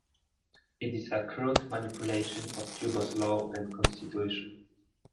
It is a crude manipulation of Cuba's laws and Constitution.